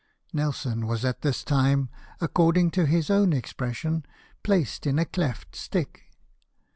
Nelson was at this time, according to his own expression, placed in a cleft stick.